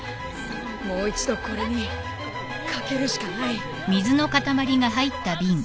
もう一度これに賭けるしかない。